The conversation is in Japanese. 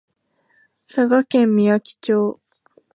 佐賀県みやき町